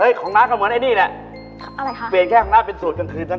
ของน้าก็เหมือนไอ้นี่แหละอะไรคะเปลี่ยนแค่ของน้าเป็นสูตรกลางคืนนั้น